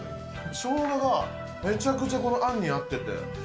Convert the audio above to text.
しょうがが、めちゃくちゃこのあんに合ってて。